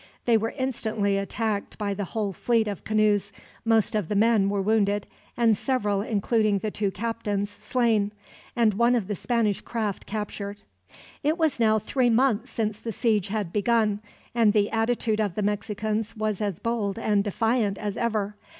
They were instantly attacked by the whole fleet of canoes, most of the men were wounded, and several, including the two captains, slain, and one of the Spanish craft captured. It was now three months since the siege had begun, and the attitude of the Mexicans was as bold and defiant as ever.